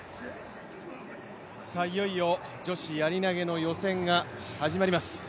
いよいよ女子やり投の予選が始まります。